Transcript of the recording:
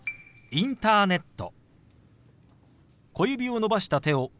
「インターネット」。